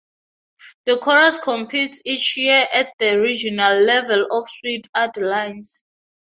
The chorus competes each year at the "regional" level of Sweet Adelines.